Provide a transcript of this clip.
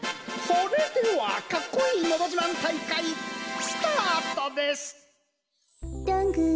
それではかっこいいのどじまん大会スタートです！